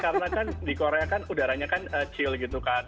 karena kan di korea kan udaranya kan chill gitu kan